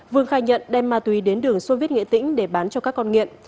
vương khai nhận đem ma túy đến đường soviet nghệ tĩnh để bán cho các con nghiện